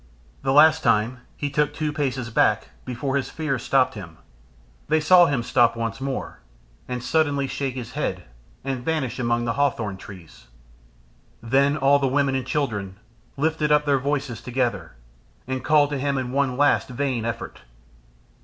The last time he took two paces back, before his fear stopped him. They saw him stop once more, and suddenly shake his head and vanish among the hawthorn trees. Then all the women and children lifted up their voices together, and called to him in one last vain effort.